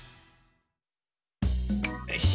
よし。